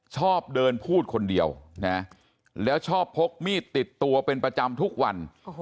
ชอบเดินพูดคนเดียวนะแล้วชอบพกมีดติดตัวเป็นประจำทุกวัน